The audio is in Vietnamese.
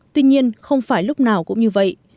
tuy nhiên không phải lúc nào cũng như vậy